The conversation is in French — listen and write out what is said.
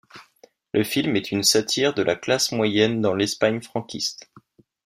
Le film est une satire de la classe moyenne dans l'Espagne franquiste.